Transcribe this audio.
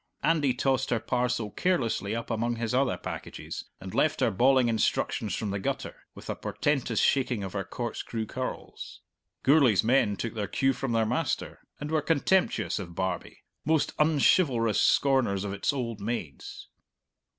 Andy tossed her parcel carelessly up among his other packages, and left her bawling instructions from the gutter, with a portentous shaking of her corkscrew curls. Gourlay's men took their cue from their master, and were contemptuous of Barbie, most unchivalrous scorners of its old maids.